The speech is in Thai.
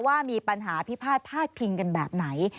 ว่ามีปัญหาพิพาทพาดพิงกันแบบไหน